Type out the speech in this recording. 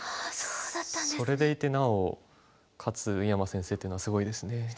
それでいてなお勝つ井山先生っていうのはすごいですね。